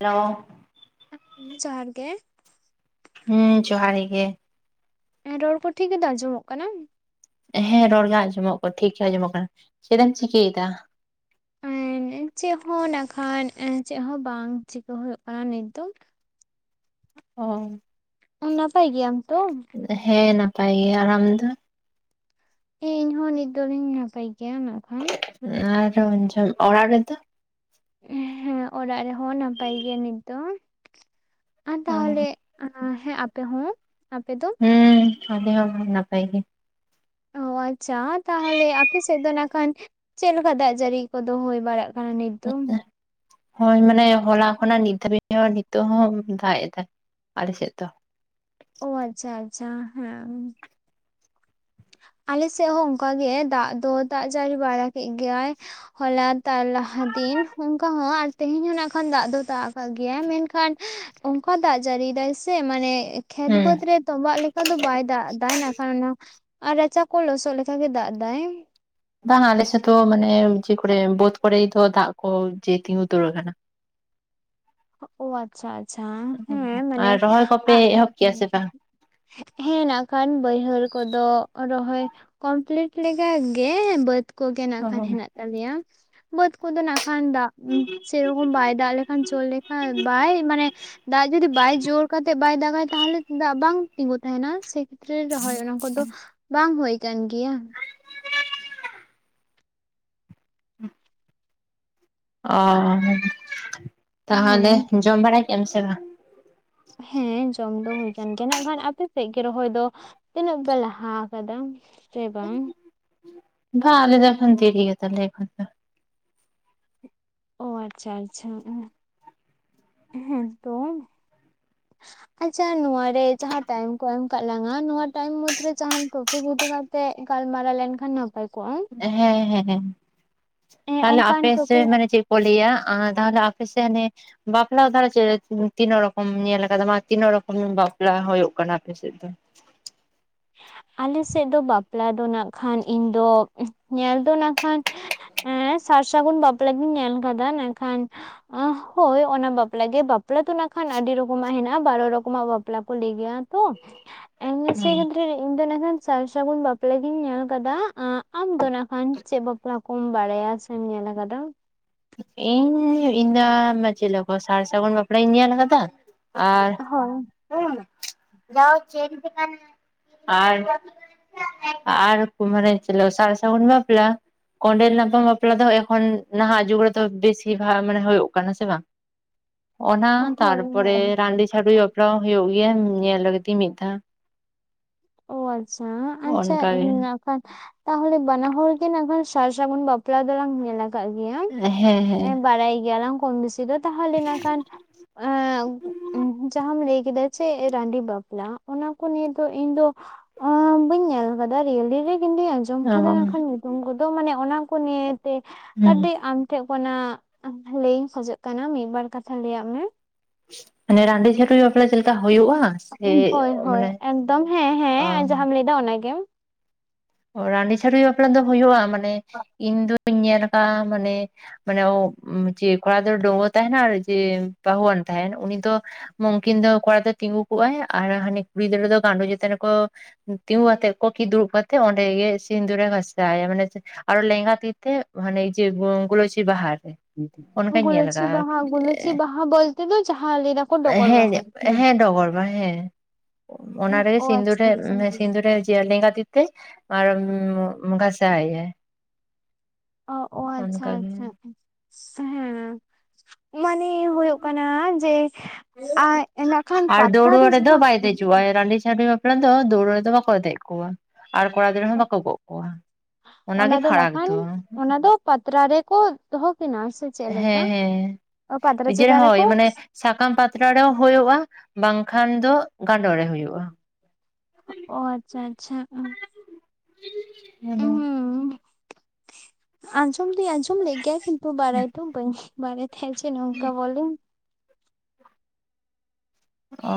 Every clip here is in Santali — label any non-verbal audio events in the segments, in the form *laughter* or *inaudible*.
ᱦᱮᱞᱳ᱾ ᱡᱚᱦᱟᱨ ᱜᱮ᱾ ᱦᱮᱸ ᱡᱚᱦᱟᱨ ᱜᱮᱟ᱾ ᱦᱮᱸ ᱨᱚᱲ ᱠᱚ ᱴᱷᱤᱠ ᱜᱮᱫᱚ ᱟᱸᱡᱚᱢᱚᱜ ᱠᱟᱱᱟ? ᱦᱮᱸ ᱨᱚᱲ ᱜᱮ ᱟᱸᱡᱚᱢᱚᱜ ᱠᱚᱱᱟ ᱴᱷᱤᱠ ᱜᱮ ᱟᱸᱡᱚᱢᱚᱜ ᱠᱟᱱᱟ᱾ ᱪᱮᱫ ᱮᱢ ᱪᱤᱠᱟᱹᱭᱮᱫᱟ? ᱮᱸ ᱪᱮᱫ ᱦᱚᱸ ᱱᱟᱠᱷᱟᱱ ᱪᱮᱫ ᱦᱚᱸ ᱵᱟᱝ ᱪᱤᱠᱟ ᱦᱩᱭᱩᱜ ᱠᱟᱱᱟ ᱱᱤᱛ ᱫᱚ᱾ ᱦᱮ ᱱᱟᱯᱟᱣ ᱜᱮᱭᱟᱢ ᱛᱚ? ᱦᱮᱸ ᱱᱟᱯᱟᱭ ᱜᱮ ᱟᱨ ᱟᱢ ᱫᱚ? ᱤᱧᱦᱚᱸ ᱦᱚ ᱱᱤᱛ ᱫᱚᱞᱤᱧ ᱱᱟᱯᱟᱭ ᱜᱮᱭᱟ ᱱᱟᱜ ᱠᱷᱟᱱ ᱟᱨ ᱚᱱᱡᱚ ᱚᱲᱟᱜ ᱨᱮᱫᱚ? ᱦᱮᱸ ᱚᱲᱟᱜ ᱨᱮᱦᱚᱸ ᱱᱟᱯᱟᱭ ᱜᱮᱭᱟ ᱱᱤᱛ ᱫᱚ ᱟᱨ ᱛᱟᱦᱚᱞᱮ ᱟ ᱦᱮᱸ ᱟᱯᱮᱦᱚ ᱟᱯᱮ ᱫᱚ? ᱦᱮᱸ ᱟᱞᱮ ᱦᱚ ᱱᱟᱯᱟᱭ ᱜᱮ ᱚ ᱟᱪᱪᱷᱟ ᱛᱟᱦᱚᱞᱮ ᱟᱯᱮ ᱥᱮᱫ ᱫᱚ ᱱᱟᱜ ᱠᱷᱟᱱ ᱪᱮᱫ ᱞᱮᱠᱟ ᱫᱟᱜ ᱡᱟᱹᱲᱤ ᱠᱚᱫᱚ ᱦᱩᱭ ᱵᱟᱲᱟᱜ ᱠᱟᱱᱟ ᱱᱤᱛ ᱫᱚ ᱦᱳᱸᱭ ᱢᱟᱱᱮ ᱦᱚᱞᱟ ᱠᱷᱚᱱᱟᱜ ᱱᱤᱛ ᱫᱷᱟᱹᱵᱤᱡ ᱱᱤᱛᱚᱜ ᱦᱚᱸ ᱫᱟᱜ ᱮᱫᱟ ᱟᱞᱮ ᱥᱮᱫ ᱫᱚ ᱚ ᱟᱪᱪᱷᱟ ᱟᱪᱪᱷᱟ ᱦᱮᱸ ᱩ ᱟᱞᱮᱥᱮᱫ ᱦᱚᱸ ᱚᱱᱠᱟ ᱜᱮ ᱫᱟᱜ ᱫᱚ ᱫᱟᱜ ᱡᱟᱹᱲᱤ ᱵᱟᱲᱟ ᱵᱟᱲᱟ ᱠᱮᱫ ᱜᱮᱭᱟᱭ ᱦᱚᱞᱟ ᱛᱟᱨ ᱞᱟᱦᱟ ᱫᱤᱱ ᱚᱱᱠᱟ ᱦᱚᱸ ᱟᱨ ᱛᱮᱦᱮᱧ ᱦᱚᱸ ᱱᱟᱜ ᱠᱷᱟᱱ ᱫᱟᱜ ᱫᱚ ᱫᱟᱜ ᱠᱟᱜ ᱜᱮᱭᱟ ᱢᱮᱱ ᱠᱷᱟᱱ ᱚᱱᱠᱟ ᱫᱟᱜ ᱡᱟᱹᱲᱤᱭ ᱫᱟᱭ ᱥᱮ ᱢᱟᱱᱮ ᱠᱷᱮᱛ ᱦᱮᱸ ᱵᱟᱹᱫᱽ ᱨᱮ ᱛᱚᱵᱟᱜ ᱞᱮᱠᱟ ᱫᱚ ᱵᱟᱭ ᱫᱟᱜ ᱫᱟ ᱱᱟᱜ ᱠᱷᱟᱱ ᱚᱱᱟ ᱟᱨ ᱨᱟᱪᱟ ᱠᱚ ᱞᱚᱥᱚᱫ ᱞᱮᱠᱷᱟ ᱜᱮ ᱫᱟᱜ ᱫᱟᱭ ᱵᱟᱝ ᱟᱞᱮᱥᱮᱫ ᱫᱚ ᱢᱟᱱᱮ ᱡᱮ ᱠᱚᱨᱮ ᱵᱟᱹᱫᱽ ᱠᱚᱨᱮ ᱫᱚ ᱫᱟᱜ ᱠᱚ ᱡᱮ ᱛᱤᱸᱜᱩ ᱩᱫᱟᱹᱨ ᱠᱟᱱᱟ ᱟᱪᱪᱷᱟ ᱟᱪᱪᱷᱟ ᱦᱮᱸ ᱢᱟᱱᱮ ᱟᱨ ᱨᱚᱦᱚᱭ ᱠᱚᱯᱮ ᱟᱜ ᱮᱦᱚᱵ ᱠᱮᱜᱼᱟ ᱥᱮ ᱵᱟᱝ *inaudible* ᱦᱮᱸ ᱱᱟᱜ ᱠᱷᱟᱱ ᱵᱟᱹᱭᱦᱟᱹᱲ ᱠᱚᱫᱚ ᱨᱚᱦᱚᱭ ᱠᱚᱢᱯᱞᱤᱴ ᱞᱮ ᱜᱮ ᱵᱟᱹᱫᱽ ᱠᱚᱜᱮ ᱱᱟᱜ ᱠᱷᱟᱱ ᱚ ᱦᱮᱱᱟᱜ ᱛᱟᱞᱮᱭᱟ ᱵᱟᱹᱫ ᱠᱚᱫᱚ ᱱᱟᱜ ᱠᱷᱟᱱ ᱫᱟᱜ ᱪᱮᱨᱚᱠᱚᱢ ᱵᱟᱭ ᱫᱟᱜ ᱞᱮᱠᱷ ᱠᱷᱟᱡᱚ ᱞᱮᱠᱷᱟ ᱵᱟᱭ ᱢᱟᱱᱮ ᱫᱟᱜ ᱡᱩᱫᱤ ᱵᱟᱭ ᱡᱳᱨ ᱠᱟᱛᱮᱫ ᱵᱟᱭ ᱫᱟᱜᱟᱭ ᱛᱟᱦᱚᱞᱮ ᱫᱟᱜ ᱵᱟᱝ ᱛᱤᱜᱩ ᱛᱟᱦᱮ ᱱᱟ ᱥᱮ ᱯᱷᱨᱮ ᱨᱚᱦᱚᱭ ᱚᱱᱟ ᱠᱚᱫᱚ ᱵᱟᱝ ᱦᱩᱭᱳ ᱠᱟᱱ ᱜᱮᱭᱟ ᱦᱮᱸ ᱚ ᱛᱟᱦᱚᱞᱮ ᱦᱩᱸ ᱡᱚᱢ ᱵᱟᱲᱟᱭ ᱠᱮᱜᱟ ᱥᱮ ᱵᱟᱝ? ᱦᱮᱸ ᱡᱚᱢ ᱫᱚ ᱦᱩᱭ ᱠᱟᱱᱟ ᱜᱮᱭᱟ ᱱᱟᱜ ᱠᱷᱟᱱ ᱟᱯᱮ ᱥᱮᱫ ᱜᱮ ᱨᱚᱦᱚᱭ ᱫᱚ ᱛᱤᱱᱮᱹᱜ ᱯᱮ ᱞᱟᱦᱟ ᱟᱠᱟᱫᱟ ᱥᱮ ᱵᱟᱝ? ᱵᱟᱝ ᱟᱞᱮ ᱫᱚ ᱠᱷᱟᱱ ᱛᱤᱨ ᱜᱮᱭᱟ ᱛᱟᱦ ᱮᱠᱷᱟᱱ ᱫᱚ ᱚ ᱟᱪᱪᱷᱟ ᱟᱪᱪᱷᱟ ᱮᱜ ᱦᱮᱸ ᱛᱚ ᱟᱪᱪᱷᱟ ᱱᱚᱣᱟ ᱨᱮ ᱡᱟᱦᱟᱸ ᱴᱟᱭᱤᱢ ᱠᱚ ᱮᱢ ᱠᱟᱜ ᱞᱝᱟ ᱱᱚᱣᱟ ᱴᱟᱭᱤᱢ ᱢᱩᱫᱽᱨᱮ ᱡᱟᱦᱟᱸᱟᱱ ᱴᱚᱯᱤᱠ ᱤᱫᱤ ᱠᱟᱛ ᱛᱮᱜ ᱜᱟᱞᱢᱟᱨᱟᱣ ᱞᱮᱱ ᱠᱷᱟᱱ ᱱᱟᱯᱟᱭ ᱠᱚᱜ-ᱟ᱾ ᱦᱮᱸ ᱦᱮᱸ ᱦᱮᱸ ᱛᱟᱦᱚᱞᱮ ᱚᱱᱠᱟᱱ ᱟᱯᱮ ᱥᱮ ᱴᱚᱯᱤᱠ ᱢᱟᱱᱮ ᱪᱮᱫ ᱠᱚᱞᱟᱹᱭᱟᱹ ᱟ ᱛᱟᱦᱚᱞᱮ ᱟᱯᱮ ᱥᱮᱱ ᱦᱮ ᱵᱟᱯᱞᱟ ᱛᱟᱦᱞᱮ ᱪᱮᱞᱮᱠ ᱛᱤᱱᱟᱹᱜ ᱨᱚᱠᱚᱢ ᱧᱮᱞ ᱠᱟᱫᱟ ᱛᱤᱱᱟᱹᱜ ᱨᱚᱠᱚᱢ ᱵᱟᱯᱞᱟ ᱦᱩᱭᱩᱜ ᱠᱟᱱᱟ ᱟᱯᱮ ᱥᱮᱫ ᱫᱚ? ᱟᱞᱮ ᱥᱮᱫ ᱫᱚ ᱵᱟᱯᱞᱟ ᱫᱚ ᱱᱟᱜ ᱠᱷᱟᱱ ᱤᱧ ᱫᱚ ᱧᱮᱞ ᱫᱚ ᱱᱟᱜ ᱠᱷᱟᱱ ᱮ ᱥᱟᱨ ᱥᱟᱹᱜᱩᱱ ᱵᱟᱯᱞᱟ ᱜᱤᱧ ᱧᱮᱞ ᱟᱠᱟᱫᱟ ᱢᱮᱱᱠᱷᱟᱱ ᱚᱦ ᱦᱳᱸᱭ ᱚᱱᱟ ᱵᱟᱯᱞᱟᱜ ᱜᱮ ᱵᱟᱯᱞᱟ ᱫᱚ ᱱᱟᱜ ᱠᱷᱟᱱ ᱟᱹᱰᱤ ᱨᱚᱠᱚᱢᱟᱜ ᱦᱮᱱᱟᱜ-ᱟ ᱵᱟᱨᱚ ᱨᱚᱠᱚᱢᱟᱜ ᱵᱟᱯ ᱯᱞᱟ ᱠᱚ ᱞᱮᱟᱹᱭ ᱜᱮᱭᱟ ᱛᱚ ᱮ ᱥᱮᱜᱮ ᱤᱧ ᱫᱚ ᱱᱟᱜ ᱠᱷᱟᱱ ᱥᱟᱨ ᱥᱟᱹᱜᱩᱱ ᱵᱟᱯᱞᱟ ᱜᱤᱧ ᱧᱮᱞ ᱠᱟᱫᱟ ᱟᱢ ᱫᱚ ᱠᱷᱟᱱ ᱪᱮᱫ ᱵᱟᱯ *unintelligible* ᱠᱚᱢ ᱵᱟᱲᱟᱭᱟ ᱥᱮᱢ ᱧᱮᱞ ᱟᱠᱟᱫᱟ᱾ ᱤᱧ ᱤᱧᱫᱚ ᱢᱟ ᱪᱮᱫ ᱠᱚ ᱥᱟᱨ ᱥᱟᱹᱜᱩᱱ ᱵᱟᱯᱞᱟᱧ ᱧᱮᱞ ᱟᱠᱟᱫᱟ ᱾ ᱦᱳᱭ *unintelligible* ᱟᱨ ᱢᱟᱱᱮ *unintelligible* ᱥᱟᱨ ᱥᱟᱜᱩᱱ ᱵᱟᱯᱞᱟ ᱾ ᱠᱚᱸᱰᱮᱞ ᱧᱟᱯᱟᱢ ᱵᱟᱯᱞᱟ ᱫᱚ ᱮᱠᱷᱚᱱ ᱱᱟᱦᱟᱜ ᱡᱩᱜᱽ ᱨᱮᱫᱚ ᱵᱮᱥᱤ ᱵᱷᱟᱜ ᱢᱟᱱᱮ ᱦᱩᱭᱩᱜ ᱠᱟᱱᱟ ᱥᱮ ᱵᱟᱝ? ᱚᱱᱟ ᱦᱳᱭ ᱛᱟᱨᱯᱚᱨᱮ ᱦᱳᱭ ᱨᱟᱺᱰᱤ ᱪᱷᱟᱰ ᱵᱟᱯᱞᱟ ᱦᱚᱸ ᱦᱩᱭᱩᱜ ᱜᱮᱭᱟ ᱧᱮᱞ ᱠᱟᱹᱫᱤᱧ ᱢᱤᱫ ᱫᱷᱟᱣ ᱾ ᱳ ᱟᱪᱪᱷᱟ ᱟᱪᱪᱷᱟ ᱚᱱᱠᱟ ᱜᱮ ᱤᱧ ᱛᱟᱦᱚᱞᱮ ᱵᱟᱱᱟ ᱦᱚᱲ ᱜᱮ ᱱᱟᱜᱠᱷᱟᱱ ᱥᱟᱨ ᱥᱟᱹᱜᱩᱱ ᱵᱟᱯᱞᱟ ᱫᱚᱞᱟᱝ ᱧᱮᱞᱟ ᱠᱟᱜ ᱦᱮᱸ ᱜᱮᱭ ᱦᱮᱸ ᱵᱟᱲᱟᱭ ᱜᱮᱭᱟᱞᱟᱝ ᱠᱚᱢ ᱵᱮᱥᱤ ᱫᱚ ᱛᱟᱦᱚᱞᱮ ᱱᱟᱜ ᱠᱷᱟᱱ ᱮᱸᱻ ᱡᱟᱦᱟᱸᱟᱢ ᱞᱟᱹᱭ ᱠᱮᱫᱟ ᱪᱮ ᱨᱟᱺᱰᱤ ᱵᱟᱯᱞᱟ ᱚᱱᱟ ᱠᱚ ᱱᱤᱭᱮ ᱫᱚ ᱤᱧ ᱫᱚ ᱚᱸ ᱵᱟᱹᱧ ᱧᱮᱞ ᱟᱠᱟᱫᱟ ᱨᱤᱭᱮᱞ ᱨᱮ ᱠᱤᱱᱛᱩ ᱟᱸᱡᱚᱢ ᱟᱸᱡᱚᱢ ᱚ ᱠᱟᱫᱟ ᱢᱮᱱᱠᱷᱟᱱ ᱧᱩᱛᱩᱢ ᱠᱚᱫᱚ ᱢᱟᱱᱮ ᱚᱱᱟ ᱠᱚ ᱱᱤᱭᱮᱛᱮ ᱦᱩᱸ ᱠᱟᱹᱴᱤᱡ ᱟᱢ ᱟᱢ ᱴᱷᱮᱡ ᱠᱷᱚᱱᱟᱜ ᱞᱟᱹᱭᱤᱧ ᱠᱷᱚᱡᱚᱜ ᱠᱟᱱᱟ ᱢᱤᱫ ᱵᱟᱨ ᱠᱟᱛᱷᱟ ᱞᱟᱹᱭᱟᱜ ᱢᱮ? ᱢᱟᱱᱮ ᱨᱟᱺᱰᱤ ᱪᱷᱟᱹᱰᱩᱭ ᱵᱟᱯᱞᱟ ᱪᱮᱫ ᱞᱮᱠᱟ ᱦᱩᱭᱩᱜᱼᱟ ᱥᱮ ᱦᱳᱭ ᱢᱟᱱᱮ ᱚᱻ ᱞᱟᱹᱭ ᱫᱚ ᱚᱱᱟᱜᱮ ᱨᱟᱺᱰᱤ ᱪᱷᱟᱹᱰᱩᱭᱤ ᱵᱟᱯᱞᱟ ᱫᱚ ᱦᱩᱭᱩᱜᱼᱟ ᱢᱟᱱᱮ ᱤᱧ ᱫᱚᱧ ᱧᱮᱞ ᱟᱠᱟᱜᱼᱟ ᱢᱟᱱᱮ ᱢᱟᱱᱮ ᱡᱮ ᱠᱚᱲᱟ ᱰᱟᱹᱜᱩᱣᱟᱹ ᱛᱟᱦᱮᱱᱟ ᱟᱨ ᱡᱮ ᱵᱟᱹᱦᱩᱣᱟᱱ ᱛᱟᱦᱮᱱ ᱩᱱᱤ ᱫᱚ ᱢᱚᱝᱠᱤᱱ ᱫᱚ ᱠᱚᱲᱟ ᱜᱤᱫᱽᱨᱟᱹ ᱛᱤᱸᱜᱩ ᱠᱚᱜᱼᱟᱭ ᱟᱨ ᱦᱟᱱᱤ ᱠᱩᱲᱤ ᱜᱤᱫᱽᱨᱟᱹ ᱫᱚ ᱜᱟᱸᱰᱚ ᱪᱮᱛᱟᱱ ᱨᱮᱠᱚ ᱛᱤᱸᱜᱩ ᱠᱛᱮᱜ ᱠᱚᱠᱤ ᱫᱩᱲᱩᱵ ᱠᱟᱛᱮᱜ ᱚᱸᱰᱮ ᱜᱮ ᱥᱤᱸᱫᱩᱨᱮ ᱜᱷᱟᱥᱟᱣᱟ ᱢᱟᱱᱮ ᱟᱨᱦᱚ ᱞᱮᱜᱟ ᱛᱤᱛᱮ ᱦᱟᱱᱮ ᱤᱭᱟᱹ ᱜᱩᱞᱳᱪᱤ ᱵᱟᱦᱟᱨ ᱨᱮ ᱚᱱᱠᱟᱧ ᱧᱮᱞ ᱜᱩᱞᱟᱹᱪᱤ ᱟᱠᱟᱜᱼᱟ ᱵᱟᱦᱟ ᱜᱩᱞᱟᱹᱪᱤ ᱵᱟᱦᱟ ᱵᱚᱞᱛᱮ ᱫᱚ ᱡᱟᱦᱟᱸ ᱞᱟᱹᱭ ᱫᱟᱠᱚ ᱰᱚᱜᱚᱨ ᱵᱟᱦᱟ᱾ ᱦᱮ ᱦᱮᱸ ᱰᱚᱜᱚᱨ ᱵᱟᱦᱟ ᱦᱮ ᱚᱱᱟᱨᱮ ᱚ ᱟᱪᱪᱷᱟ ᱥᱤᱸᱫᱩᱨᱮ ᱟᱪᱪᱷᱟ ᱥᱤᱸᱫᱩᱨᱮ ᱡᱤᱭᱟᱹ ᱞᱮᱸᱜᱟ ᱛᱤ ᱛᱮ ᱟᱨ ᱜᱷᱟᱥᱟᱣ ᱟᱭᱟᱭ ᱾ ᱚ ᱟᱪᱪᱷᱟ ᱜᱮ ᱟᱪᱪᱷᱟ ᱦᱮᱸ ᱾ ᱢᱟᱱᱮ ᱦᱩᱭᱩᱜ ᱠᱟᱱᱟ ᱡᱮ ᱟᱡ ᱱᱟᱜᱠᱷᱟᱱ ᱯᱟᱛᱨᱟᱨᱮ ᱡᱟᱦᱟ *inaudible* ᱟᱫᱚ ᱫᱟᱹᱣᱲᱟᱹ ᱨᱮᱫᱚ ᱵᱟᱠᱚ ᱫᱮᱡ ᱠᱚᱣᱟ ᱾ ᱟᱨ ᱠᱚᱲᱟ ᱜᱤᱫᱽᱨᱟᱹ ᱦᱚᱸ ᱵᱟᱠᱚ ᱜᱚᱜ ᱠᱚᱣᱟ ᱚᱱᱟᱜᱮ ᱯᱷᱟᱨᱟᱠ ᱫᱚ᱾ ᱯᱟᱛᱨᱟ ᱨᱮᱠᱚ ᱫᱚᱦᱚ ᱠᱤᱱᱟ ᱥᱮ ᱪᱮᱫ ᱞᱮᱠᱟ ᱦᱮᱸ ᱦᱮᱸ ᱯᱟᱛᱲᱟ *unintelligible* ᱪᱮᱛᱟᱱ ᱦᱳᱭ ᱨᱮᱠᱚ ᱢᱟᱱᱮ ᱥᱟᱠᱟᱢ ᱯᱟᱛᱲᱟ ᱨᱮᱦᱚᱸ ᱦᱳᱭᱳᱜᱼᱟ ᱵᱟᱝᱠᱷᱟᱱ ᱫᱚ ᱜᱟᱸᱰᱳ ᱨᱮ ᱦᱳᱭᱳᱜᱼᱟ ᱾ ᱚ ᱟᱪᱪᱷᱟ ᱟᱪᱪᱷᱟ ᱾ *unintelligible* ᱟᱸᱡᱚᱢ ᱫᱚᱧ ᱟᱸᱡᱚᱢ ᱞᱮᱫ ᱜᱮᱭᱟ ᱠᱤᱱᱛᱩ ᱵᱟᱲᱟᱭ ᱫᱚ ᱵᱟᱹᱧ ᱵᱟᱲᱟᱭ ᱛᱟᱦᱮᱸ ᱡᱮ ᱱᱚᱝᱠᱟ ᱵᱚᱞᱮ ᱾ ᱚ ᱾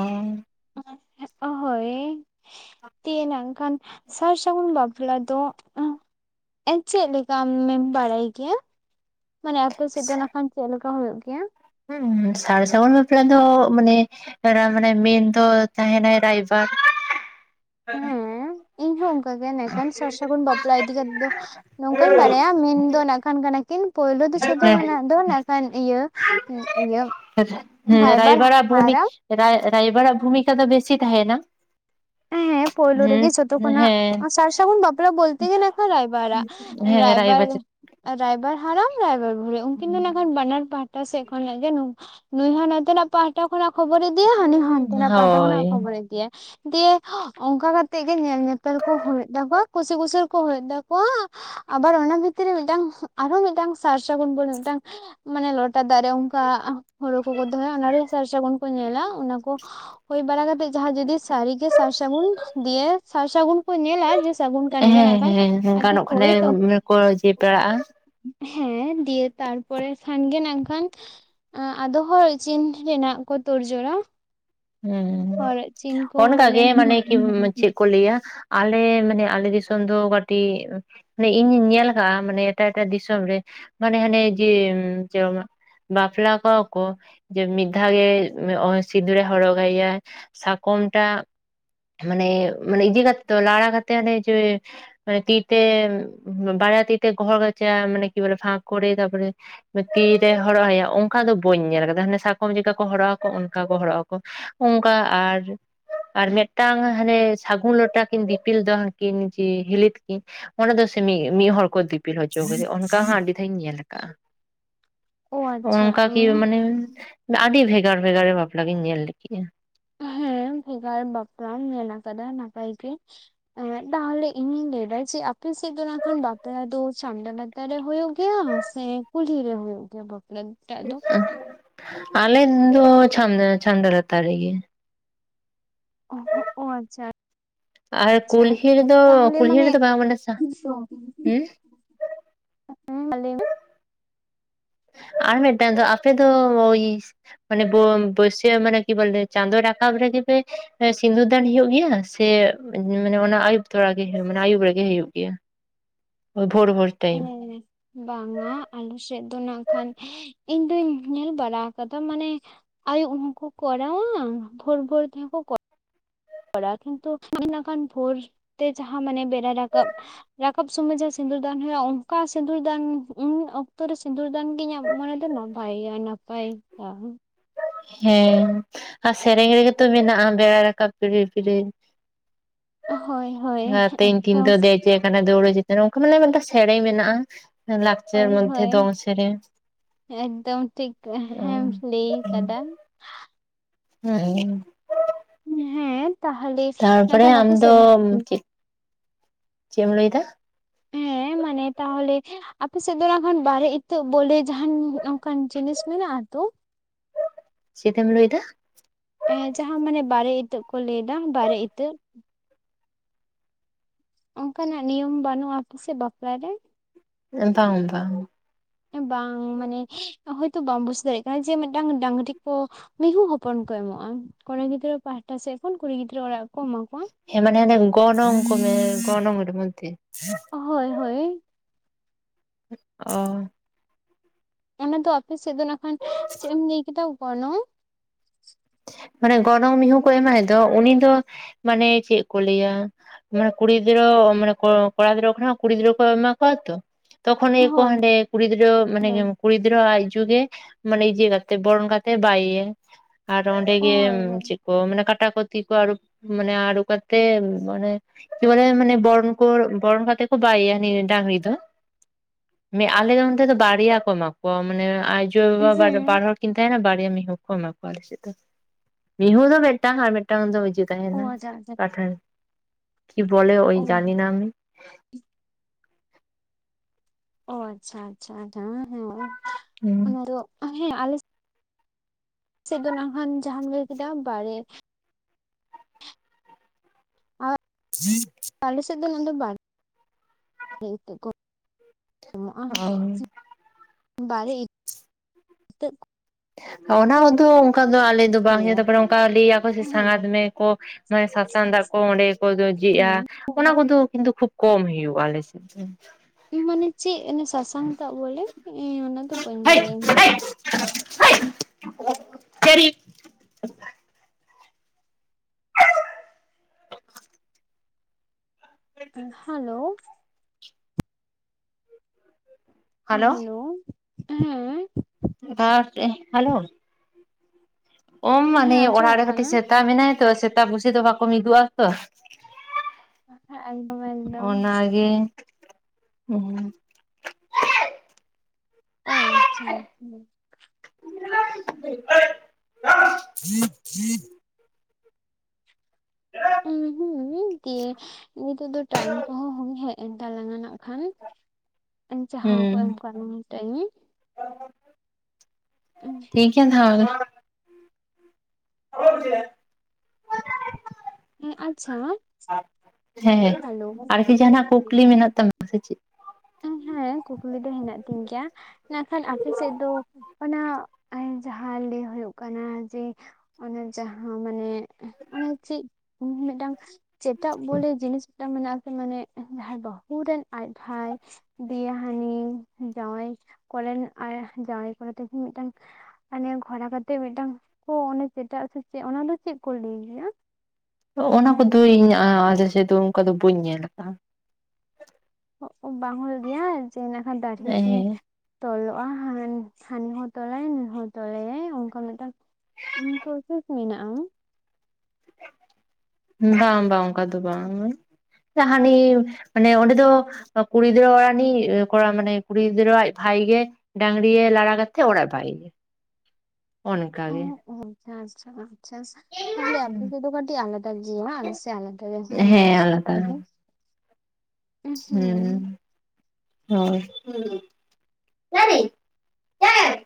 ᱚ ᱦᱳᱭ ᱾ *inaudible* ᱱᱟᱜᱠᱷᱟᱱ ᱥᱟᱨ ᱥᱟᱹᱜᱩᱱ ᱵᱟᱯᱞᱟ ᱫᱚ ᱪᱮᱫ ᱞᱮᱠᱟ ᱟᱢᱮᱢ ᱵᱟᱲᱟᱭ ᱜᱮᱭᱟ ᱢᱟᱱᱮ ᱟᱯᱮ ᱥᱮᱫ ᱫᱚ ᱠᱷᱟᱱ ᱪᱮᱫ ᱞᱮᱠᱟ ᱦᱩᱭᱩᱜ ᱜᱮᱭᱟ? ᱦᱩ ᱥᱟᱨ ᱥᱟᱹᱜᱩᱱ ᱵᱟᱯᱞᱟ ᱫᱚ ᱢᱟᱱᱮ ᱢᱟᱱᱮ ᱢᱮᱱ ᱫᱚ ᱛᱟᱦᱮᱱᱟᱭ ᱨᱟᱭᱵᱟᱨ ᱤᱧ ᱦᱚᱸ ᱚᱱᱠᱟ ᱜᱮ ᱤᱰᱮᱠᱷᱟᱱ ᱥᱟᱨ ᱥᱟᱹᱜᱩᱱ ᱵᱟᱯᱞᱟ ᱤᱫᱤ ᱠᱟᱛᱮᱜ ᱫᱚ ᱱᱚᱝᱠᱟᱧ ᱵᱟᱲᱟᱭᱟ ᱢᱮᱱ ᱫᱚ ᱱᱟᱜ ᱠᱷᱟᱱ ᱟᱠᱤᱱ ᱯᱳᱭᱞᱳ ᱫᱚ ᱡᱷᱚᱛᱚ ᱠᱷᱚᱱᱟᱜ ᱫᱚ ᱱᱟᱜ ᱠᱷᱟᱱ ᱤᱭᱟᱹ ᱩᱸ ᱤᱭᱟᱹ ᱨᱟᱭᱵᱟᱨ ᱦᱟᱨᱟᱢ ᱨᱟᱭ ᱨᱟᱭᱵᱟᱨᱟᱜ ᱵᱷᱩᱢᱤᱠᱟ ᱫᱚ ᱵᱮᱥᱤ ᱛᱟᱦᱮᱸᱭᱱᱟ? ᱦᱮᱸ ᱯᱳᱭᱞᱳ ᱨᱮᱜᱮ ᱡᱷᱚᱛᱚ ᱠᱷᱚᱱᱟᱜ, ᱦᱮᱸ ᱥᱟᱨ ᱥᱟᱹᱜᱩᱱ ᱵᱟᱯᱞᱟ ᱵᱚᱞᱛᱮ ᱜᱮᱞᱮ ᱟᱠᱷᱟᱱ ᱨᱟᱭᱵᱟᱨᱟᱜ᱾ ᱨᱟᱭᱵᱟᱨ ᱨᱟᱭᱵᱟᱨ ᱦᱟᱨᱟᱢ ᱨᱟᱭᱵᱟᱨ ᱵᱩᱨᱦᱤ, ᱩᱱᱠᱤᱱ ᱫᱚ ᱪᱮᱛᱟᱱ ᱱᱟᱜ ᱠᱷᱟᱱ ᱵᱟᱱᱟᱨ ᱯᱟᱦ ᱴᱟ ᱥᱮᱫ ᱠᱷᱚᱱᱟᱜ ᱜᱮ ᱱᱩᱢ ᱱᱩᱭ ᱦᱚᱸ ᱱᱚᱛᱮ ᱱᱟᱜ ᱯᱟᱦᱴᱟ ᱠᱷᱱᱟᱜ ᱠᱷᱚᱵᱚᱨᱮ ᱤᱫᱤᱭᱟ ᱦᱟᱱᱤ ᱦᱚᱸ ᱦᱟᱱᱛᱮ ᱦᱩᱸ ᱱᱟᱜ ᱯᱟᱦᱴᱟ ᱦᱳᱭ ᱠᱷᱱᱟᱜ ᱠᱷᱚᱵᱚᱨ ᱤᱫᱤᱭᱟ᱾ ᱫᱤᱭᱮ ᱚᱱᱠᱟ ᱠᱟᱛᱮᱫ ᱜᱮ ᱧᱮᱞ ᱧᱮᱯᱮᱞ ᱠᱚ ᱦᱩᱭᱩᱜ ᱛᱟᱠᱚᱣᱟ ᱠᱩᱥᱤ ᱠᱩᱥᱟᱹᱞ ᱠᱚ ᱦᱩᱭᱩᱜ ᱛᱟᱠᱚᱣᱟ᱾ ᱟᱵᱟᱨ ᱚᱱᱟ ᱵᱷᱤᱛᱤᱨ ᱨᱮ ᱢᱤᱫᱴᱟᱝ ᱟᱨᱦᱚᱸ ᱢᱤᱫᱴᱟᱝ ᱥᱟᱨ ᱥᱟᱹᱜᱩᱱ ᱵᱚᱞᱮ ᱢᱤᱫᱴᱟᱝ ᱢᱟᱱᱮ ᱞᱚᱴᱟ ᱫᱟᱜ ᱨᱮ ᱚᱱᱠᱟ ᱦᱳᱲᱳ ᱠᱚᱠᱚ ᱫᱚᱦᱚᱭᱟ ᱚᱱᱟᱨᱮ ᱥᱟᱨ ᱥᱟᱹᱜᱩᱱ ᱠᱚ ᱧᱮᱞᱟ ᱚᱱᱟ ᱠᱚ ᱦᱳᱭ ᱵᱟᱲᱟ ᱠᱟᱛᱮ ᱡᱟᱦᱟᱸ ᱡᱩᱫᱤ ᱥᱟᱹᱨᱤ ᱜᱮ ᱥᱟᱨ ᱥᱟᱹᱜᱩᱱ ᱫᱤᱭᱮ ᱥᱟᱨ ᱥᱟᱹᱜᱩᱱ ᱠᱚ ᱧᱮᱞᱟ ᱥᱟᱹᱜᱩᱱ ᱠᱟᱱ ᱜᱮᱭᱟ ᱱᱟᱜ ᱦᱮᱸ ᱦᱮᱸ ᱜᱟᱱᱚᱜ ᱠᱷᱟᱱ ᱠᱷᱟᱱᱮ ᱠᱚ ᱡᱮ ᱯᱮᱲᱟᱜᱼᱟ *unintelligible* ᱦᱮᱸ ᱫᱤᱭᱮ ᱛᱟᱨ ᱯᱚᱨᱮ ᱠᱷᱟᱱ ᱜᱮ ᱱᱟᱜᱠᱷᱟᱱ ᱮᱸ ᱟᱫᱚ ᱦᱚᱨᱚᱜ ᱪᱤᱱ ᱨᱮᱱᱟᱜ ᱠᱚ ᱛᱳᱲᱡᱳᱲᱟ᱾ ᱦᱩᱸ ᱦᱚᱨᱚᱜ ᱪᱤᱱ ᱠᱚ ᱚᱱᱠᱟ ᱦᱩᱭ ᱜᱮ ᱞᱮᱱ ᱢᱟᱱᱮ ᱠᱤ ᱪᱮᱫ ᱠᱚ ᱞᱟᱹᱭᱟ, ᱟᱞᱮ ᱢᱟᱱᱮ ᱟᱞᱮ ᱫᱤᱥᱚᱢ ᱫᱚ ᱠᱟᱹᱴᱤᱡ ᱢᱟᱱᱮ ᱤᱧᱤᱧ ᱧᱮᱞ ᱠᱟᱜᱼᱟ ᱢᱟᱱᱮ ᱮᱴᱟᱜ ᱮᱴᱟᱜ ᱫᱤᱥᱚᱢ ᱨᱮ ᱢᱟᱱᱮ ᱦᱟᱱᱮ ᱡᱮ *inaudible* ᱵᱟᱯᱞᱟ ᱠᱚᱣᱟ ᱠᱚ ᱡᱮ ᱢᱤᱫ ᱫᱷᱟᱣ ᱜᱮ ᱚᱭ ᱥᱤᱸᱫᱩᱨ ᱟ ᱦᱚᱨᱚ ᱜᱟᱭᱟ ᱥᱟᱠᱚᱢ ᱴᱟᱜ ᱢᱟᱱᱮ ᱢᱟᱱᱮ ᱤᱭᱟᱹ ᱠᱟᱛᱮ ᱛᱚ ᱞᱟᱲᱟ ᱠᱟᱛᱮ ᱦᱟᱱᱮ ᱡᱮ, ᱢᱟᱱᱮ ᱛᱤᱛᱮ ᱵᱟᱨᱭᱟ ᱛᱤᱛᱮ ᱜᱚᱦᱚᱲ *unintelligible* ᱢᱟᱱᱮ ᱠᱤ ᱵᱚᱞᱮ ᱯᱷᱟᱠ ᱠᱚᱨᱮ ᱛᱟᱯᱚᱨᱮ ᱢᱮ ᱛᱤᱨᱮ ᱦᱚᱨᱚᱜ ᱟᱭᱟ ᱚᱱᱠᱟ ᱫᱚ ᱵᱟᱹᱧ ᱧᱮᱞ ᱠᱟᱫᱟ ᱦᱟᱱᱮ ᱥᱟᱠᱚᱢ ᱪᱮᱠᱟ ᱠᱚ ᱦᱚᱨᱚᱜ ᱟᱠᱚ ᱚᱱᱠᱟ ᱠᱚ ᱦᱚᱨᱚᱜ ᱟᱠᱚ, ᱚᱝᱠᱟ ᱟᱨ ᱟᱨ ᱢᱤᱫᱴᱟᱝ ᱦᱟᱱᱮ ᱥᱟᱹᱜᱩᱱ ᱞᱚᱴᱟ ᱠᱤᱱ ᱫᱤᱯᱤᱞ ᱫᱚ ᱦᱟᱝᱠᱤᱱ ᱡᱮ ᱦᱤᱞᱤ ᱛᱟᱠᱤᱱ᱾ ᱚᱱᱟ ᱫᱚ ᱥᱮ ᱢᱤᱫ ᱢᱤᱫ ᱦᱚᱲ ᱠᱚ ᱫᱤᱯᱤᱞ ᱦᱚᱪᱚ ᱠᱟᱫᱮᱭᱟ ᱚᱱᱠᱟ ᱦᱚᱸ ᱟᱹᱰᱤ ᱫᱷᱟᱣ ᱤᱧ ᱧᱮᱞ ᱟᱠᱟᱫᱼᱟ᱾ ᱚ ᱟᱪᱪᱷᱟ ᱚᱱᱠᱟ ᱠᱤ ᱢᱟᱱᱮ ᱟᱹᱰᱤ ᱵᱷᱮᱜᱟᱨ ᱵᱷᱮᱜᱟᱨ ᱵᱟᱯᱞᱟ ᱜᱤᱧ ᱧᱮᱞ ᱠᱮᱷᱼᱟ᱾ ᱦᱮᱸ ᱵᱷᱮᱜᱟᱨ ᱵᱟᱯᱞᱟᱢ ᱧᱮᱞ ᱟᱠᱟᱫᱟ ᱱᱟᱯᱟᱭ ᱜᱮ᱾ ᱮᱸᱜ ᱛᱟᱦᱚᱞᱮ ᱤᱧᱤᱧ ᱞᱟᱹᱭ ᱫᱟ ᱡᱮ ᱟᱯᱮ ᱥᱮᱫ ᱫᱚ ᱱᱟᱜ ᱠᱷᱟᱱ ᱵᱟᱯᱞᱟ ᱫᱚ ᱪᱷᱟᱢᱰᱟ ᱞᱟ ᱛᱟᱨ ᱨᱮ ᱦᱳᱭᱳᱜ ᱜᱮᱭᱟ ᱥᱮ ᱠᱩᱞᱦᱤ ᱨᱮ ᱦᱳᱭᱳᱜ ᱜᱮᱭᱟ ᱵᱟᱯᱞᱟ? ᱴᱟᱜ ᱫᱚ ᱟᱞᱮ ᱫᱚ ᱪᱷᱟᱢᱰᱟ ᱪᱷᱟᱢᱰᱟ ᱞᱟᱛᱟᱨ ᱨᱮᱜᱮ᱾ ᱦᱚᱜᱼᱚ ᱟᱪᱪᱷᱟ᱾ ᱟᱨ ᱟᱪᱪᱷᱟ ᱠᱩᱞᱦᱤ ᱨᱮᱫᱚ ᱛᱟᱦᱚᱞᱮ ᱠᱩᱞᱦᱤ ᱢᱟᱱᱮ ᱨᱮᱫᱚ ᱵᱟᱝ ᱟᱰᱮ ᱥᱟ, ᱦᱩᱸ? *inaudible* ᱟᱨ ᱢᱤᱫᱴᱟᱝ ᱫᱚ ᱟᱯᱮ ᱫᱚ ᱤᱥ ᱢᱟᱱᱮ ᱵᱳᱢ ᱵᱟᱹᱥᱭᱟᱹᱢ ᱢᱟᱱᱮ ᱠᱤ ᱵᱚᱞᱮ ᱪᱟᱸᱫᱳ ᱨᱟᱠᱟᱵ ᱨᱮᱜᱮ ᱯᱮ ᱥᱤᱸᱫᱩᱨ ᱫᱟᱱ ᱦᱩᱭᱩᱜ ᱜᱮᱭᱟ ᱥᱮ ᱩᱸ ᱢᱟᱱᱮ ᱚᱱᱟ ᱟᱭᱩᱵ ᱛᱚᱨᱟ ᱜᱮ ᱦᱩᱭᱩᱜ, ᱢᱟᱱᱮ ᱟᱭᱩᱵ ᱨᱮᱜᱮ ᱦᱩᱭᱩᱜ ᱜᱮᱭᱟ, ᱳᱭ ᱵᱷᱳᱨ ᱵᱷᱳᱨ ᱴᱟᱭᱤᱢ ᱦᱮᱸ᱾ ᱵᱟᱝᱟ ᱟᱞᱮ ᱥᱮᱫ ᱫᱚ ᱱᱟᱜ ᱠᱷᱟᱱ, ᱤᱧ ᱫᱩᱧ ᱧᱮᱞ ᱵᱟᱲᱟ ᱠᱟᱫᱟ ᱢᱟᱱᱮ ᱟᱭᱩᱵ ᱦᱚᱸᱠᱚ ᱠᱚᱨᱟᱣᱟ ᱵᱷᱳᱨ ᱵᱷᱳᱨ ᱛᱮᱦᱚᱸ ᱠᱚ ᱠᱚᱨᱟᱣᱟ ᱠᱤᱱᱛᱩ *inaudible* ᱵᱷᱳᱨ ᱛᱮ ᱡᱟᱦᱟᱸ ᱢᱟᱱᱮ ᱵᱮᱲᱟ ᱨᱟᱠᱟᱵ ᱨᱟᱠᱟᱵ ᱥᱚᱢᱚᱭ ᱡᱟᱦᱟᱸ ᱥᱤᱸᱫᱩᱨ ᱫᱟᱱ ᱦᱩᱭᱩᱜᱼᱟ ᱚᱱᱠᱟ ᱥᱤᱸᱫᱩᱨ ᱫᱟᱱ ᱩᱱ ᱚᱠ ᱛᱚ ᱨᱮ ᱥᱤᱸᱫᱩᱨ ᱫᱟᱱ ᱜᱮ ᱤᱧᱟᱹᱜ ᱢᱚᱱᱮ ᱫᱚ ᱱᱟᱯᱟᱭᱟ ᱱᱟᱯᱟᱭᱟ᱾ ᱦᱮᱸ ᱟᱨ ᱥᱮᱨᱮᱧ ᱨᱮᱜᱮ ᱛᱚ ᱢᱮᱱᱟᱜᱼᱟ ᱵᱮᱲᱟ ᱨᱟᱠᱟᱵ ᱯᱤᱨᱤᱞ ᱯᱤᱨᱤᱞ ᱦᱳᱭ ᱦᱳᱭ ᱜᱟᱛᱮᱧ ᱛᱤᱧ ᱮᱠᱫᱚᱢ ᱫᱚ ᱫᱮᱡᱮ ᱠᱟᱱᱟ ᱫᱟᱹᱣᱲᱟᱹ ᱪᱮᱛᱟᱱ ᱨᱮ ᱚᱱᱠᱟ ᱢᱟᱱᱮ ᱢᱤᱫᱴᱟᱝ ᱥᱮᱨᱮᱧ ᱢᱮᱱᱟᱜᱼᱟ ᱞᱟᱠᱪᱟᱨ ᱢᱚᱫᱫᱷᱮ ᱫᱚᱝ ᱥᱮᱨᱮᱧ᱾ ᱮᱠ ᱫᱚᱢ ᱴᱷᱤᱠ ᱦᱮᱢ ᱞᱟᱹᱭ ᱠᱟᱫᱟ *unintelligible* ᱦᱮ ᱛᱟᱦᱞᱮ ᱛᱟᱨᱯᱚᱨᱮ ᱢᱮᱱᱠᱷᱟᱱ ᱟᱢ ᱟᱯᱮ ᱫᱚ ᱥᱮᱫ ᱪᱮᱫ ᱪᱮᱫ ᱮᱢ ᱞᱟᱹᱭ ᱫᱟ ᱦᱮᱸ ᱢᱟᱱᱮ ᱛᱟᱦᱞᱮ ᱟᱯᱮ ᱥᱮᱫ ᱫᱚ ᱱᱟᱜᱠᱷᱟᱱ ᱵᱟᱨᱮ ᱤᱛᱟᱹᱜ ᱵᱚᱞᱮ ᱡᱟᱦᱟᱱ ᱚᱱᱠᱟᱱ ᱡᱤᱱᱤᱥ ᱢᱮᱱᱟᱜᱼᱟ ᱛᱚ ᱪᱮᱛ ᱮᱢ ᱞᱟᱹᱭ ᱫᱟ ᱮ ᱡᱟᱦᱟᱸ ᱢᱟᱱᱮ ᱵᱟᱨᱮ ᱤᱛᱟᱹᱜ ᱠᱚ ᱞᱟᱹᱭ ᱫᱟ ᱵᱟᱨᱮ ᱤᱛᱟᱹᱜ ᱚᱱᱠᱟᱱᱟᱜ ᱱᱤᱭᱚᱢ ᱵᱟᱹᱱᱩᱜᱼᱟ ᱯᱟᱥᱮᱫ ᱵᱟᱯᱞᱟ ᱨᱮ ᱵᱟᱝ ᱵᱟᱝ ᱵᱟᱝ ᱢᱟᱱᱮ ᱦᱚᱭᱛᱚ ᱵᱟᱢ ᱵᱩᱡ ᱫᱟᱲᱮᱭᱟᱜ ᱠᱟᱱᱟ ᱡᱮ ᱢᱤᱫᱴᱟᱝ ᱰᱟᱝᱨᱤ ᱠᱚ ᱢᱤᱦᱩ ᱦᱚᱯᱚᱱ ᱠᱚ ᱮᱢᱚᱜᱼᱟ ᱠᱚᱲᱟ ᱜᱤᱫᱽᱨᱟᱹ ᱯᱟᱦᱟᱴᱟ ᱥᱮᱫ ᱠᱷᱚᱱ ᱠᱩᱲᱤ ᱜᱤᱫᱽᱨᱟᱹ ᱚᱲᱟᱜ ᱠᱚ ᱮᱢᱟ ᱠᱚᱣᱟ᱾ ᱦᱮᱸ ᱢᱟᱱᱮ ᱜᱚᱱᱚᱝ ᱠᱚ ᱢᱮ ᱜᱚᱱᱚᱝ *inaudible* ᱦᱳᱭ ᱦᱳᱭ, ᱚ ᱚᱱᱟ ᱫᱚ ᱟᱯᱮ ᱥᱮᱫ ᱫᱚ ᱱᱟᱜ ᱠᱷᱟᱱ ᱪᱮᱫ ᱮᱢ ᱞᱟᱹᱭ ᱠᱮᱫᱟ ᱜᱚᱱᱚᱝ ᱢᱟᱱᱮ ᱜᱚᱱᱚᱝ ᱢᱤᱦᱩ ᱠᱚ ᱮᱢᱟᱭ ᱫᱚ ᱩᱱᱤ ᱫᱚ ᱢᱟᱱᱮ ᱪᱮᱫ ᱠᱚ ᱞᱟᱹᱭᱟ ᱢᱟᱱᱮ ᱠᱩᱲᱤ ᱜᱤᱫᱽᱨᱟᱹ ᱢᱟᱱᱮ ᱠᱚᱲᱟ ᱜᱤᱫᱽᱨᱟᱹ ᱠᱷᱚᱱᱟᱜ ᱠᱩᱲᱤ ᱜᱤᱫᱽᱨᱟᱹ ᱠᱚ ᱮᱢᱟ ᱠᱚᱣᱟ ᱛᱚ ᱛᱚᱠᱷᱚᱱ ᱜᱮᱠᱚ ᱦᱳᱭ ᱦᱟᱸᱰᱮ ᱠᱩᱲᱤ ᱜᱤᱫᱽᱨᱟᱹ ᱢᱟᱱᱮ ᱜᱮ ᱦᱳᱭ ᱠᱩᱲᱤ ᱜᱤᱫᱽᱨᱟᱹ ᱟᱡ ᱡᱩᱜᱮ ᱢᱟᱱᱮ ᱤᱭᱟᱹ ᱠᱟᱛᱮ ᱵᱚᱨᱚᱱ ᱠᱟᱛᱮ ᱵᱟᱭ ᱭᱟ ᱟᱨ ᱚᱸᱰᱮ ᱜᱮ ᱦᱳᱭ ᱦᱳᱭ ᱪᱮᱫ ᱠᱚ ᱢᱟᱱᱮ ᱠᱟᱴᱟ ᱠᱚ ᱛᱤ ᱠᱚ ᱟᱹᱨᱩ ᱢᱟᱱᱮ ᱟᱹᱨᱩ ᱠᱟᱛᱮ ᱢᱟᱱᱮ ᱠᱤ ᱵᱚᱞᱮ ᱢᱟᱱᱮ ᱵᱚᱨᱚᱱ ᱠᱚᱨ ᱵᱚᱨᱚᱱ ᱠᱟᱛᱮ ᱠᱚ ᱵᱟᱭᱮ ᱭᱟ ᱰᱟᱺᱝᱨᱤ ᱫᱚ ᱟᱞᱮ ᱫᱚ ᱚᱱᱛᱮ ᱫᱚ ᱵᱟᱨᱭᱟ ᱠᱚ ᱮᱢᱟ ᱠᱚᱣᱟ ᱢᱟᱱᱮ ᱡᱩᱵᱟᱵᱟ ᱦᱮᱸ ᱵᱟᱨ ᱦᱚᱲ ᱠᱤᱱ ᱛᱟᱦᱮᱱᱟ ᱵᱟᱨᱭᱟ ᱢᱤᱦᱩ ᱠᱚ ᱮᱢᱟ ᱢᱤᱦᱩ ᱫᱚ ᱢᱤᱫᱴᱟᱝ ᱟᱨ ᱢᱤᱫᱴᱟᱝ ᱫᱚ ᱤᱭᱟᱹ ᱚ ᱛᱟᱦᱮᱱᱟ ᱟᱪᱪᱷᱟ ᱟᱪᱪᱷᱟ ᱯᱟᱴᱷᱟ ᱠᱤ ᱵᱚᱞᱮ ᱳᱭ ᱚ ᱡᱟᱱᱤᱱᱟᱢ ᱚ ᱟᱪᱪᱷᱟ ᱟᱪᱪᱷᱟ *inaudible* ᱦᱩᱸ ᱦᱮᱸ ᱟᱞᱮ ᱟᱞᱮ ᱥᱮᱫ ᱫᱚ ᱱᱟᱜ-ᱠᱷᱟᱱ ᱡᱟᱦᱟᱢ ᱞᱟᱹᱭ ᱠᱮᱫᱟ ᱵᱟᱲᱮ ᱟᱨ *inaudible* ᱟᱞᱮ ᱥᱮᱫ ᱫᱚ ᱱᱚᱰᱮ ᱵᱟᱲ *inaudible* ᱮᱢᱚᱜ-ᱟ ᱦᱩᱸ ᱵᱟᱨᱮ ᱤᱛᱟᱹᱫ ᱚᱱᱟ ᱠᱚᱫᱚ ᱚᱱᱠᱟ ᱫᱚ ᱟᱞᱮ ᱫᱚ ᱵᱟᱝ ᱦᱮᱸ ᱞᱟᱹᱭᱟ ᱛᱟᱯᱚᱨᱮ ᱚᱱᱠᱟ ᱞᱟᱹᱭᱟᱠᱚ ᱥᱮ ᱦᱮᱸ ᱥᱟᱸᱜᱟᱫ ᱢᱮ ᱠᱚ ᱱᱚᱜᱚᱭ ᱥᱟᱥᱟᱝ ᱫᱟᱜ ᱠᱚ ᱚᱸᱰᱮ ᱠᱚᱫᱚ ᱡᱤᱜᱼᱟ ᱚᱱᱟ ᱠᱚᱫᱚ ᱠᱤᱱᱛᱩ ᱠᱷᱩᱵ ᱠᱚᱢ ᱦᱩᱭᱩᱜᱼᱟ ᱟᱞᱮᱥᱮᱫ᱾ *unintelligible* ᱢᱟᱱᱮ ᱪᱮᱫ ᱚᱱᱮ ᱥᱟᱥᱟᱝ ᱫᱟᱜ ᱵᱚᱞᱮ ᱚᱱᱟ ᱫᱚ ᱵᱟᱹᱧ ᱵᱟᱲᱟᱭᱟ ᱤᱧ ᱦᱚᱸ *inaudible* *inaudible* ᱦᱟᱞᱳ ᱦᱟᱞᱳ ᱦᱮᱞᱳ ᱦᱮᱸ *unintelligible* ᱦᱟᱞᱳ ᱚ ᱦᱮᱸ ᱢᱟᱱᱮ ᱚᱲᱟᱜ ᱟᱸᱡᱚᱢᱚᱜ ᱨᱮ ᱠᱟᱱᱟ ᱠᱟᱹᱴᱤᱡ ᱥᱮᱛᱟ ᱢᱮᱱᱟᱭᱟ ᱛᱚ ᱥᱮᱛᱟ ᱯᱩᱥᱤ ᱫᱚ ᱵᱟᱠᱚ ᱢᱤᱫᱚᱜᱼᱟ ᱛᱚ ᱦᱮᱸ ᱮᱠᱫᱚᱢ ᱮᱠ ᱚᱱᱟ ᱜᱮ ᱾ *inaudible* ᱦᱩᱸ ᱾ *inaudible* ᱚ ᱟᱪᱪᱷᱟ ᱦᱮᱸ ᱾ *inaudible* ᱩᱦᱩᱸ ᱫᱤᱭᱮ ᱱᱤᱛᱚᱜ ᱫᱚ ᱴᱟᱭᱤᱢ ᱠᱚᱦᱚᱸ ᱦᱩᱭ ᱦᱮᱡ ᱮᱱ ᱛᱟᱞᱟᱝᱟ ᱱᱟᱜ ᱠᱷᱟᱱ *inaudible* ᱡᱟᱦᱟᱸ ᱠᱚ ᱦᱩᱸ ᱮᱢ ᱠᱟᱜ ᱞᱟᱝᱟ ᱴᱟᱭᱤᱢ ᱾ *inaudible* ᱴᱷᱤᱠ ᱜᱮᱭᱟ ᱛᱟᱦᱚᱞᱮ ᱾ *inaudible* ᱦᱮᱸ ᱟᱪᱪᱷᱟ *inaudible* ᱦᱮᱸ ᱦᱮᱸ ᱦᱮᱞᱳ ᱟᱨᱠᱤ ᱡᱟᱦᱟᱱᱟᱜ ᱠᱩᱠᱞᱤ ᱢᱮᱱᱟᱜ ᱛᱟᱢᱟ ᱥᱮ ᱪᱮᱫ? ᱦᱮᱸ ᱠᱩᱠᱞᱤ ᱫᱚ ᱦᱮᱱᱟᱜ ᱛᱤᱧ ᱜᱮᱭᱟ᱾ ᱱᱟᱜ ᱠᱷᱟᱱ ᱟᱯᱮ ᱥᱮᱫ ᱫᱚ ᱚᱱᱟ ᱡᱟᱦᱟᱸ ᱞᱟᱹᱭ ᱦᱩᱭᱩᱜ ᱠᱟᱱᱟ ᱡᱮ ᱚᱱᱮ ᱡᱟᱦᱟᱸ ᱢᱟᱱᱮ ᱚᱱᱮ ᱪᱮᱫ ᱢᱤᱫᱴᱟᱝ ᱪᱮᱴᱟᱜ ᱵᱚᱞᱮ ᱡᱤᱱᱤᱥ ᱢᱤᱫᱴᱟᱜ ᱢᱮᱱᱟᱜ-ᱟ ᱥᱮ ᱢᱟᱱᱮ ᱡᱟᱦᱟᱸᱭ ᱵᱟᱦᱩ ᱨᱮᱱ ᱟᱡ ᱵᱷᱟᱭ ᱫᱤᱭᱮ ᱦᱟᱱᱤ ᱡᱟᱶᱟᱭ ᱠᱚᱨᱮᱱ ᱟᱨ ᱡᱟᱶᱟᱭ ᱠᱚᱲᱟ ᱛᱟᱠᱤᱱ ᱢᱤᱫᱴᱟᱝ ᱢᱟᱱᱮ ᱜᱷᱚᱲᱟ ᱠᱟᱛᱮᱜ ᱢᱤᱫᱴᱟᱝ ᱠᱚ ᱚᱱᱮ ᱪᱮᱴᱟᱜ ᱥᱮ ᱪᱮᱫ ᱚᱱᱟ ᱫᱚ ᱪᱮᱫ ᱠᱚ ᱞᱟᱹᱭ ᱜᱮᱭᱟ? ᱚ ᱚᱱᱟ ᱠᱚᱫᱚ ᱤᱧ ᱟᱞᱮᱥᱮᱫ ᱫᱚ ᱚᱱᱠᱟ ᱫᱚ ᱵᱟᱹᱧ ᱧᱮᱞ ᱠᱟᱜ-ᱟ ᱾ ᱵᱟᱝ ᱦᱩᱭᱩᱜ ᱜᱮᱭᱟ ᱡᱮ ᱱᱟᱜ ᱠᱷᱟᱱ ᱫᱟᱲᱦᱤ ᱠᱤᱱ ᱦᱮᱸ ᱛᱚᱞᱚᱜ-ᱟ ᱦᱟᱹᱱᱤ ᱦᱚᱸ ᱛᱚᱞᱟᱭᱟᱭ ᱱᱩᱭ ᱦᱚᱸ ᱛᱚᱞᱟᱭᱟᱭ ᱚᱱᱠᱟ ᱢᱤᱫᱴᱟᱝ ᱤᱱ ᱯᱨᱚᱥᱮᱥ ᱢᱮᱱᱟᱜ-ᱟ ᱾ *inaudible* ᱵᱟᱝ ᱵᱟᱝ ᱚᱱᱠᱟ ᱫᱚ ᱵᱟᱝᱟ ᱾ ᱥᱮ ᱦᱟᱱᱤ ᱢᱟᱱᱮ ᱚᱸᱰᱮ ᱫᱚ ᱠᱩᱲᱤ ᱫᱚ ᱦᱟᱱᱤ ᱠᱚᱲᱟ ᱢᱟᱱᱮ ᱠᱩᱲᱤ ᱜᱤᱫᱽᱨᱟᱹ ᱟᱡ ᱵᱷᱟᱭ ᱜᱮ ᱰᱟᱝᱨᱤᱭ ᱮ ᱞᱟᱲᱟ ᱠᱟᱛᱮ ᱚᱲᱟᱜ ᱵᱟᱭ *inaudible* ᱚᱱᱠᱟ ᱜᱮ ᱾ ᱚ ᱟᱪᱪᱷᱟ ᱟᱪᱪᱷᱟ ᱾ ᱟᱪᱪᱷᱟ ᱛᱟᱦᱞᱮ ᱟᱯᱮ ᱥᱮᱜ ᱫᱚ ᱠᱟᱴᱤᱜ ᱟᱞᱟᱫᱟ ᱜᱮᱭᱟ ᱵᱟᱝ ᱥᱮ ᱟᱞᱟᱫᱟ ᱦᱮᱸ *unintelligible* ᱦᱮᱸ ᱦᱮᱸᱻ ᱦᱳᱭ, ᱦᱩᱸ ᱾ *inaudible*